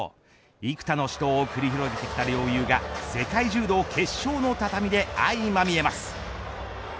幾多の死闘を繰り広げてきた両雄が世界柔道決勝の畳で相まみえます。